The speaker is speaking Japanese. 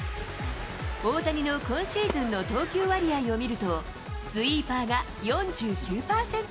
大谷の今シーズンの投球割合を見ると、スイーパーが４９％。